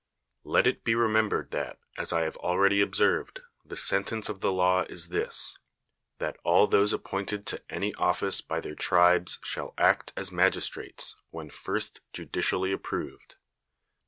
Let it be remembered that, as I have already observed, the sentence of the law is this, that all those appointed to any office by their tribes shall act as magistrates, when first judicially approved.